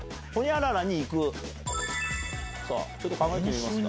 ちょっと考えてみますか。